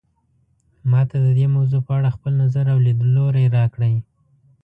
ما ته د دې موضوع په اړه خپل نظر او لیدلوری راکړئ